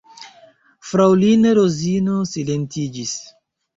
Fraŭlino Rozino silentiĝis.